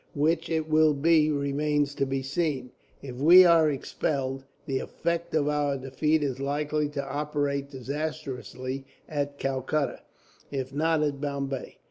Which it will be remains to be seen. If we are expelled, the effect of our defeat is likely to operate disastrously at Calcutta, if not at Bombay.